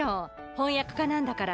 翻訳家なんだから。